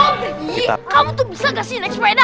sopri kamu tuh bisa gak sih naik sepeda